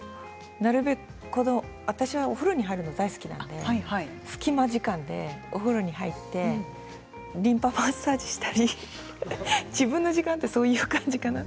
私はお風呂に入るのが大好きなので隙間時間でお風呂に入ってリンパマッサージをしたり自分の時間ってそういう感じかな。